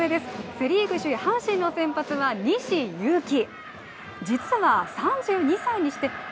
セ・リーグ首位・阪神の先発は西勇輝。